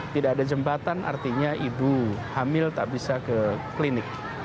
tidak ada jembatan artinya ibu hamil tak bisa ke klinik